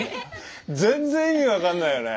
全然意味分かんないよね。